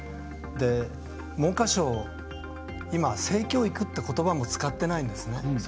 文科省、今、性教育ってことばも使ってないんですね。